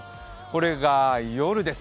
これが夜です。